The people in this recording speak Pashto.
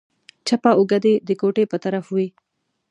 چپه اوږه دې د کوټې په طرف وي.